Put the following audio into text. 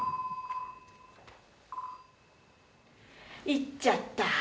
行っちゃった。